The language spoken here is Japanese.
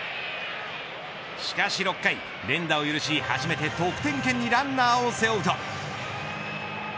しかし６回連打を許し、初めて得点圏にランナーを背負うと。